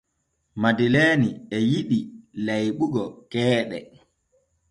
Madeleeni e yiɗi layɓugo keeɗe.